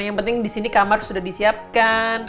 yang penting di sini kamar sudah disiapkan